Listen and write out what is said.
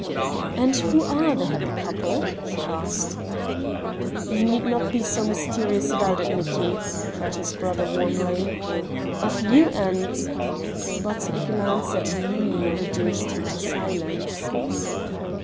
"And who are the happy couple?" he asked. "You need not be so mysterious about it, Nicki," cried his brother warmly. "Of you and...." but a glance at Nini reduced him to silence.